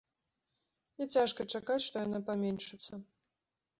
І цяжка чакаць, што яна паменшыцца.